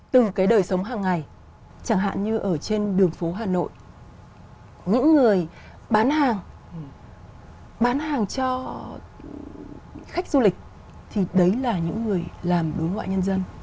từ cái đời sống hàng ngày chẳng hạn như ở trên đường phố hà nội những người bán hàng bán hàng cho khách du lịch thì đấy là những người làm đối ngoại nhân dân